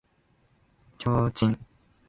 提灯